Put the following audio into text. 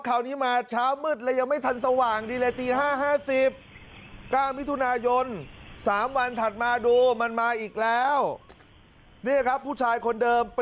คราวนี้มาเช้ามืดแล้วยังไม่ทันสว่างดีเลยตี๕๕๐